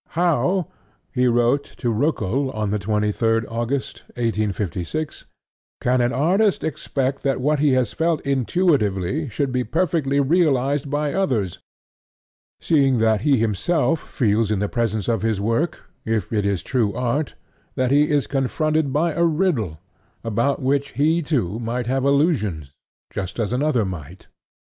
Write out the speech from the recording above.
"How," he wrote to Roeckel on the 23rd. August 1856, "can an artist expect that what he has felt intuitively should be perfectly realized by others, seeing that he himself feels in the presence of his work, if it is true Art, that he is confronted by a riddle, about which he, too, might have illusions, just as another might?"